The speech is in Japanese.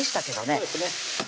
そうですね